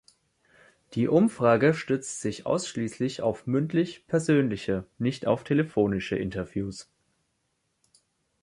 Die Umfrage stützt sich ausschließlich auf mündlich-persönliche, nicht auf telefonische Interviews.